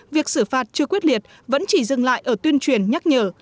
việc xử phạt chưa quyết liệt vẫn chỉ dừng lại ở tuyên truyền nhắc nhở